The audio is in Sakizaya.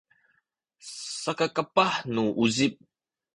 saka kapah nu uzip